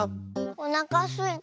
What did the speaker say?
おなかすいた。